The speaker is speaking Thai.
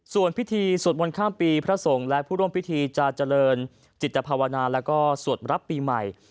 ส่วนพิธีสวดมนต์ข้ามปีพระสงฆ์และผู้ร่วมพิธีจะเจริญจิตภาวนาแล้วก็สวดรับปีใหม่